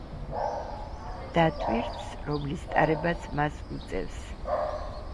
და ტვირთს, რომლის ტარებაც მას უწევს.